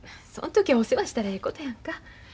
その時はお世話したらええことやんか。